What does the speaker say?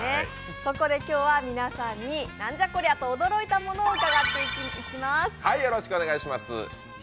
そこで今日は、皆さんに「なんじゃこりゃ！と驚いたもの」を伺っていきます。